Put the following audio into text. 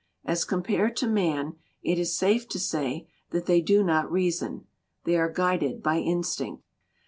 As compared to man it is safe to say that they do not reason. They are guided by instinct.